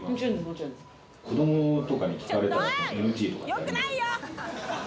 よくないよ！